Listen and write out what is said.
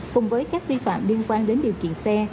cùng với các vi phạm liên quan đến điều khiển xe